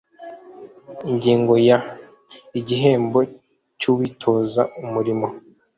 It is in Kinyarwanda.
ingingo ya igihembo cy uwitoza umurimo